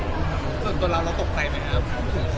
ส่วนตัวเราเราตกใจไหมครับ